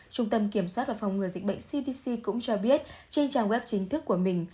trung tâm kiểm soát và phòng ngừa dịch bệnh cdc cũng cho biết trên trang web chính thức của mình